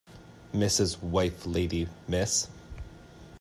Mrs. wife lady Miss